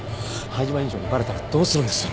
灰島院長にバレたらどうするんです？